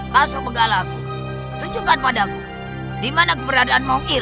pak subenggala aku tunjukkan padaku di mana keberadaan mongir